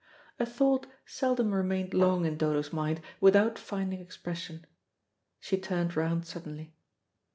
A thought seldom remained long in Dodo's mind without finding expression. She turned round suddenly.